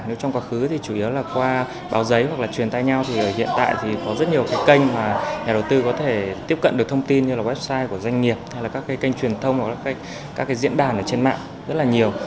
nếu trong quá khứ thì chủ yếu là qua báo giấy hoặc là truyền tay nhau thì hiện tại thì có rất nhiều cái kênh mà nhà đầu tư có thể tiếp cận được thông tin như là website của doanh nghiệp hay là các cái kênh truyền thông hoặc là các cái diễn đàn ở trên mạng rất là nhiều